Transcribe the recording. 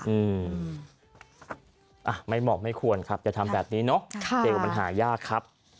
ไม่เหมาะไม่ควรครับจะทำแบบนี้เนอะเจ็บปัญหายากครับ